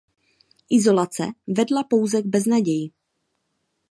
Izolace vedla pouze k beznaději.